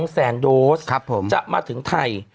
๒แสนโดสจะมาถึงไทย